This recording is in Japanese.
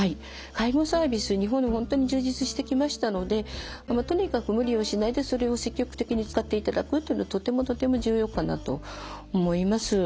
介護サービス日本でも本当に充実してきましたのでとにかく無理をしないでそれを積極的に使っていただくっていうのはとてもとても重要かなと思います。